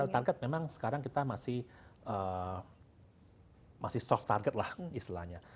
target memang sekarang kita masih soft target lah istilahnya